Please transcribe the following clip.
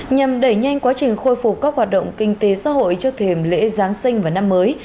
nhằm đẩy nhanh quá trình khôi phục các hoạt động kinh tế xã hội trước thềm lễ giáng sinh và năm mới